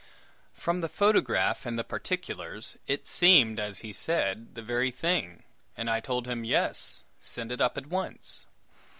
From the photograph and the particulars, it seemed, as he said, the very thing, and I told him, "Yes; send it up at once."